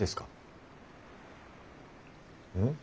うん？